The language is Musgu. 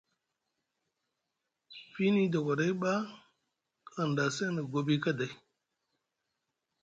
Fiini dogoɗay ba hanɗa a seŋ na gobi kaday.